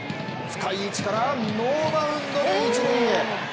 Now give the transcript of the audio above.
深い位置からノーバウンドで一塁へ。